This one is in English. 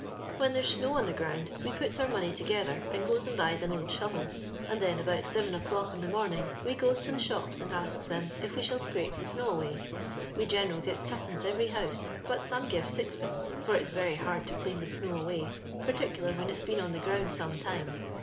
When there's snow on the ground we puts our money together, ond goes and buys an old shove^ and then, about seven o'clock in the morning, we goes to the shops and asks them if we shall scrape the snow away. We general gets twopence every house, but some gives sixpence, for it's very hard to dean the snow away, particular when it's been on the ground some time.